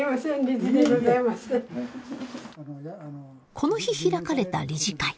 この日開かれた理事会。